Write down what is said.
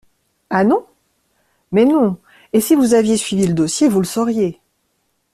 Ah non ? Mais non, et si vous aviez suivi le dossier, vous le sauriez.